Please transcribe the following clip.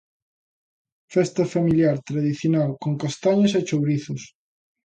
Festa familiar tradicional con castañas e chourizos.